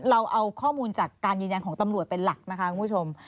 เราเอาข้อมูลจากการยืนยันของตำรวจเป็นหลักนะคะคุณผู้ชม